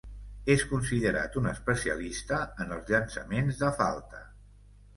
És considerat un especialista en els llançaments de falta.